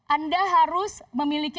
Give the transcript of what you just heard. anda harus memiliki